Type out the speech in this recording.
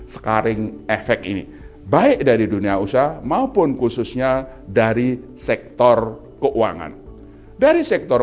scaring efek ini baik dari dunia usaha maupun khususnya dari sektor keuangan dari sektor